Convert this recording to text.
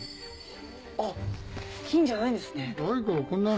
あっ金じゃないんですね。